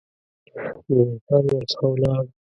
مومن خان ورڅخه ولاړ.